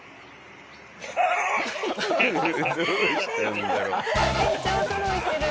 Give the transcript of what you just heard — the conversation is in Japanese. めっちゃ驚いてる。